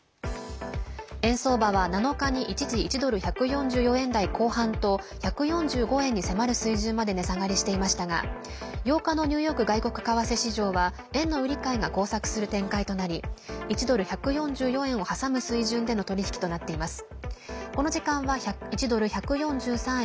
円相場は７日に一時１ドル＝１４４円台後半と１４５円に迫る水準まで値下がりしていましたが８日のニューヨーク外国為替市場は円の売り買いが交錯する展開となり１ドル＝１４４円を挟む水準での取り引きとなっています。